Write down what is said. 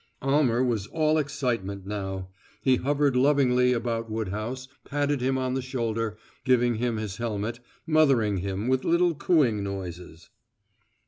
Almer was all excitement now. He hovered lovingly about Woodhouse, patting him on the shoulder, giving him his helmet, mothering him with little cooing noises.